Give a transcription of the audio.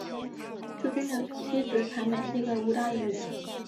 朱军的妻子谭梅是一个舞蹈演员。